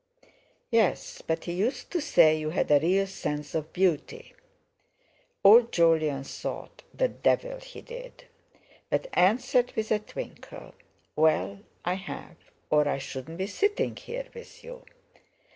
"Yes: but he used to say you had a real sense of beauty." Old Jolyon thought: "The devil he did!" but answered with a twinkle: "Well, I have, or I shouldn't be sitting here with you."